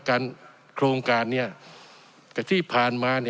การโครงการนี้กับที่ผ่านมา